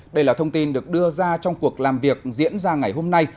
đây là thông tin được đưa ra trong cuộc làm việc diễn ra ngày hôm nay